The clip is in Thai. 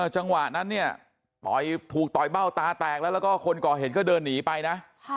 จังหวะนั้นเนี่ยถูกต่อยเบ้าตาแตกแล้วแล้วก็คนก่อเหตุก็เดินหนีไปนะ